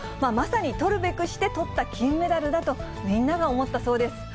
まさに、とるべくしてとった金メダルだと、みんなが思ったそうです。